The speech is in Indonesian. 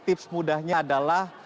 tips mudahnya adalah